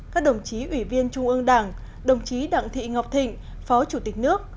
các đồng chí ủy viên trung ương đảng đồng chí đặng thị ngọc thịnh phó chủ tịch nước